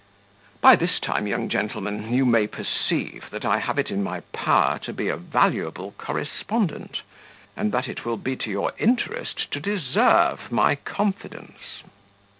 "By this time, young gentleman, you may perceive that I have it in my power to be a valuable correspondent, and that it will be to your interest to deserve my confidence."